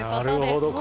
なるほど。